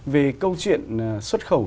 về câu chuyện xuất khẩu